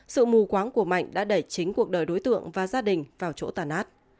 sự mù quáng của mạnh đã đẩy chính cuộc đời đối tượng và gia đình vào chỗ tàn át